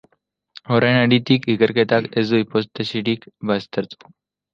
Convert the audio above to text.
Horren haritik, ikerketak ez du hipotesirik baztertu.